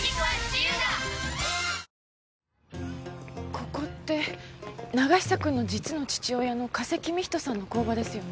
ここって永久くんの実の父親の加瀬公仁さんの工場ですよね？